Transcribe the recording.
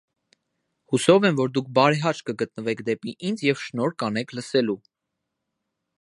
Հուսով եմ, որ դուք բարեհաճ կգտնվեք դեպի ինձ և շնորհ կանեք լսելու: